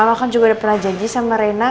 awal kan juga udah pernah janji sama rena